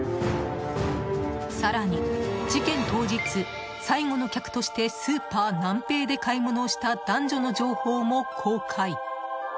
更に、事件当日最後の客としてスーパーナンペイで買い物をした男女の情報も公開。